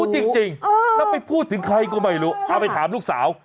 จริงแล้วไปพูดถึงใครก็ไม่รู้เอาไปถามลูกสาว